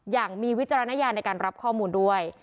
อย่างมีวิจารณญาณในการรับข้อมูลด้วย